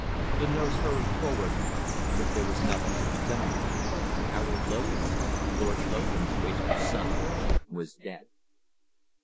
The nurse hurried forward, but there was nothing to be done. Harold Logan, Lord Logan's wastrel son, was dead.